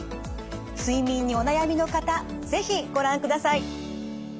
睡眠にお悩みの方是非ご覧ください。